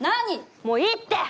もういいって！